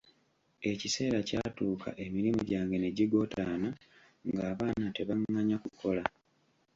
Ekiseera kyatuuka emirimu gyange ne gigootaana ng'abaana tebanganya kukola.